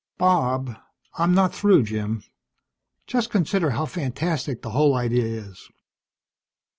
"Bob " "I'm not through, Jim. Just consider how fantastic the whole idea is.